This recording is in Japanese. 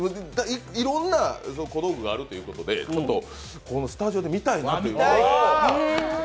いろんな小道具があるっていうことでこのスタジオで見たいなと。